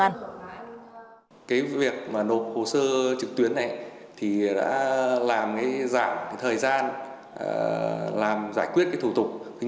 anh quang nhân viên một doanh nghiệp bất động sản trên địa bàn mang hồ sơ giấy tờ đến đây để làm thủ tục nghiệp thu phòng cháy chữa cháy cho công trình của doanh nghiệp mình